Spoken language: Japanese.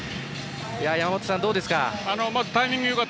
山本さん、どうですか？